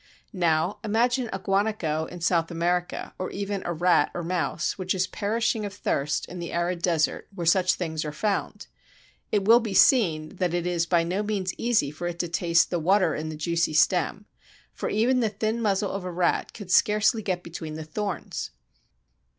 Now imagine a guanaco in South America, or even a rat or mouse, which is perishing of thirst in the arid desert where such things are found. It will be seen that it is by no means easy for it to taste the water in the juicy stem, for even the thin muzzle of a rat could scarcely get between the thorns.